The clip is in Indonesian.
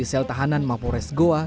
sel tahanan mapores goa